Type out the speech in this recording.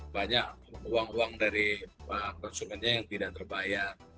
banyak uang uang dari konsumennya yang tidak terbayar